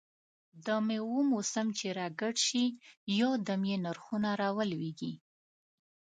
دمېوو موسم چې را ګډ شي، یو دم یې نرخونه را ولوېږي.